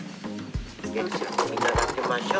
いただきましょう。